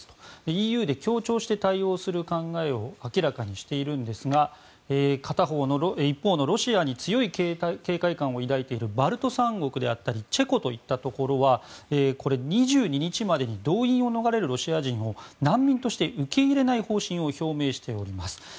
ＥＵで協調して対応する考えを明らかにしているんですが一方のロシアに強い警戒感を抱いているバルト三国だったり、チェコは２２日までに動員を逃れるロシア人を難民として受け入れない方針を表明しています。